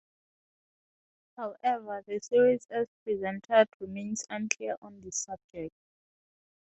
However, the series as presented remains unclear on this subject.